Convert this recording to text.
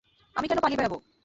আমি কেন পালিয়ে বেড়াবো?